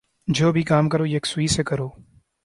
جو بھی کام کرو یکسوئی سے کرو۔